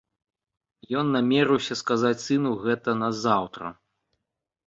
Ён намерыўся сказаць сыну гэта назаўтра.